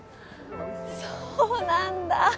そうなんだ！？